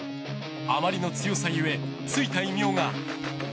あまりの強さゆえついた異名が。